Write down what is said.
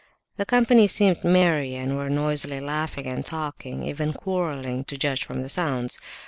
The company seemed merry and were noisily laughing and talking—even quarrelling, to judge from the sounds.